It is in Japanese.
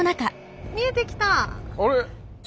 あれ？